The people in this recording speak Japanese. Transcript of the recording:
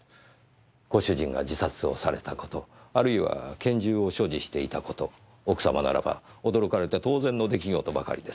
ご主人が自殺をされた事あるいは拳銃を所持していた事奥様ならば驚かれて当然の出来事ばかりです。